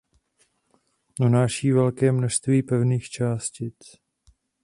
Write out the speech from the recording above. Unáší velké množství pevných částic.